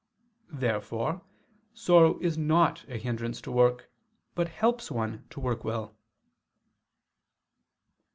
Therefore sorrow is not a hindrance to work, but helps one to work well.